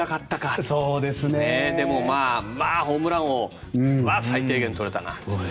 でもホームラン王は最低限取れたな。